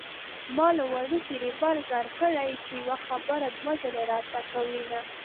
ما له وړوکي ريبار ځار کړې چې يوه خبره دوه ځلې راته کوينه